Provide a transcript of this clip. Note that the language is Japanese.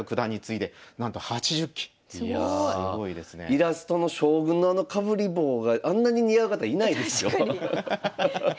イラストの将軍のあのかぶり帽があんなに似合う方いないですよ。